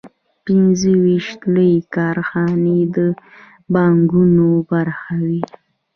پنځه ویشت لویې کارخانې د بانکونو برخه وې